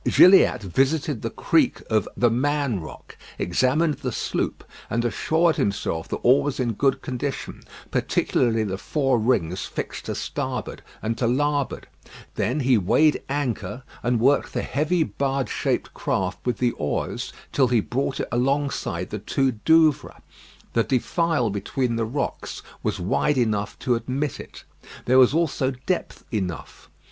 Gilliatt visited the creek of "The Man Rock," examined the sloop, and assured himself that all was in good condition, particularly the four rings fixed to starboard and to larboard; then he weighed anchor, and worked the heavy barge shaped craft with the oars till he brought it alongside the two Douvres. The defile between the rocks was wide enough to admit it. There was also depth enough.